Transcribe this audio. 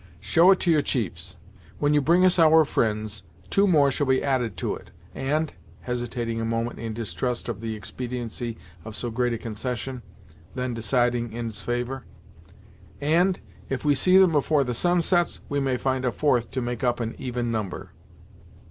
Show it to your chiefs. When you bring us our fri'nds, two more shall be added to it, and," hesitating a moment in distrust of the expediency of so great a concession; then, deciding in its favor "and, if we see them afore the sun sets, we may find a fourth to make up an even number."